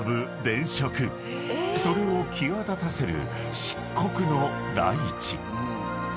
［それを際立たせる漆黒の大地］